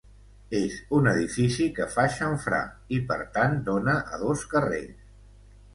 És un edifici que fa xamfrà, i per tant dóna a dos carrers.